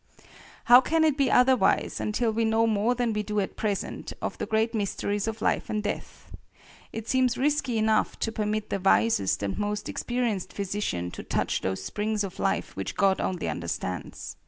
How can it be otherwise, until we know more than we do at present, of the great mysteries of life and death? It seems risky enough to permit the wisest and most experienced physician to touch those springs of life which God only understands.